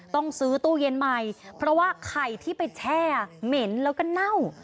ต้องซื้อตู้เย็นใหม่เพราะว่าไข่ที่ไปแช่เหม็นแล้วก็เน่า